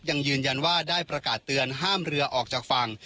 ยังยืนยันว่าได้ประกาศเตือนห้ามเรือออกจากฝั่ง